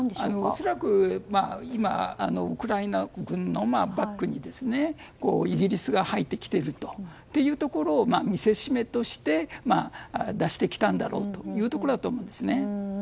恐らく今ウクライナ軍のバックにイギリスが入ってきているというところを見せしめとして出してきたんだろうと思うんです。